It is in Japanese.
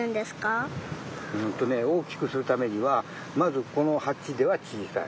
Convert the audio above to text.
うんとね大きくするためにはまずこのはちではちいさい。